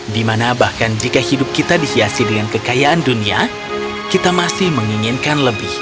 dimana bahkan jika hidup kita dihiasi dengan kekayaan dunia kita masih menginginkan lebih